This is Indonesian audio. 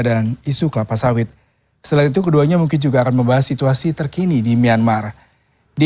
dan isu kelapa sawit selain itu keduanya mungkin juga akan membahas situasi terkini di myanmar di